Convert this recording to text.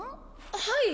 はい！